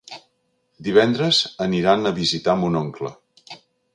Divendres aniran a visitar mon oncle.